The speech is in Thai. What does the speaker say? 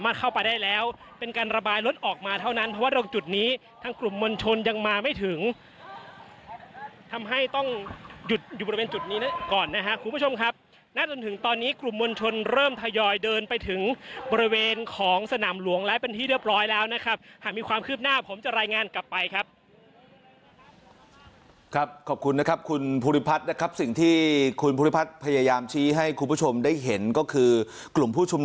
ไม่ต้องหยุดอยู่บริเวณจุดนี้ก่อนนะฮะคุณผู้ชมครับน่าจนถึงตอนนี้กลุ่มมนชนเริ่มทยอยเดินไปถึงบริเวณของสนามหลวงแล้วเป็นที่เรียบร้อยแล้วนะครับหากมีความคืบหน้าผมจะรายงานกลับไปครับครับขอบคุณนะครับคุณภูริพัฒน์นะครับสิ่งที่คุณภูริพัฒน์พยายามชี้ให้คุณผู้ชมได้เห็นก็คือกลุ่มผู้ช